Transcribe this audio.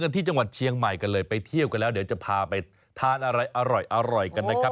ที่จังหวัดเชียงใหม่กันเลยไปเที่ยวกันแล้วเดี๋ยวจะพาไปทานอะไรอร่อยกันนะครับ